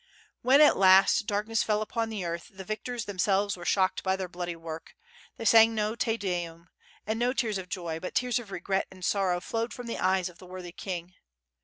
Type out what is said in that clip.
When at last darkness fell upon the earth, the victors themselves were shocked by their bloody work; they sang no Te Deum; and no tears of joy, but tears of regret and sorrow flowed from the eyes of the worthy king.